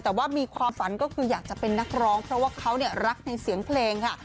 แต่ว่ามีความฝันก็คืออยากจะเป็นนักร้องเพราะว่าเขารักในเสียงเพลงค่ะ